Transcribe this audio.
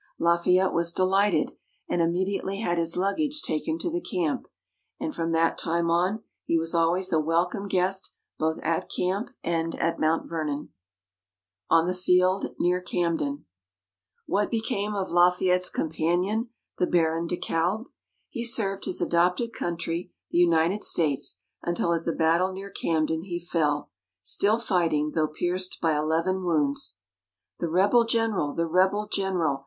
Lafayette was delighted, and immediately had his luggage taken to the camp. And from that time on, he was always a welcome guest both at camp and at Mount Vernon. ON THE FIELD NEAR CAMDEN What became of Lafayette's companion, the Baron de Kalb? He served his adopted country, the United States, until at the battle near Camden, he fell, still fighting though pierced by eleven wounds. "The rebel General! the rebel General!"